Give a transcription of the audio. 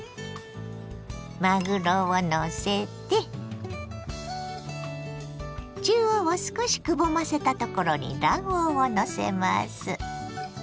まぐろをのせて中央を少しくぼませたところに卵黄をのせます。